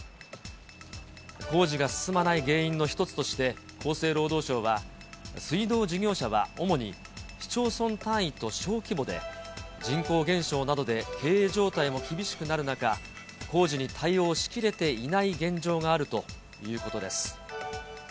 工事が進まない原因の一つとして、厚生労働省は、水道事業者は主に市町村単位と小規模で、人口減少などで経営状態も厳しくなる中、工事に対応しきれていない現状があるということです。